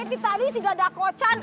itu tadi si gadak kocan